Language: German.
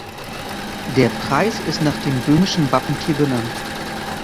Der Preis ist nach dem Böhmischen Wappentier benannt.